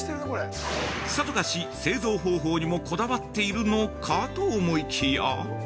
さぞかし製造方法にもこだわっているのかと思いきや？